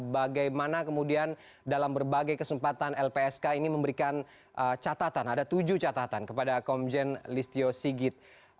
bagaimana kemudian dalam berbagai kesempatan lpsk ini memberikan catatan ada tujuh catatan kepada komjen listio sigit